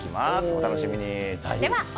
お楽しみに！